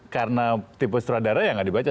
karena tipe sutradara ya nggak dibaca